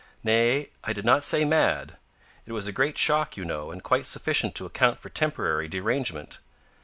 "Nay, I did not say mad. It was a great shock, you know, and quite sufficient to account for temporary derangement.